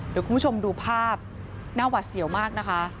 เดี๋ยวคุณผู้ชมดูภาพหน้าหวัดเสี่ยวมากนะคะ